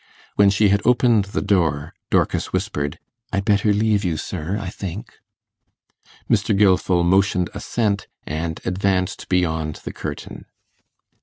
When she had opened the door, Dorcas whispered, 'I'd better leave you, sir, I think?' Mr. Gilfil motioned assent, and advanced beyond the curtain.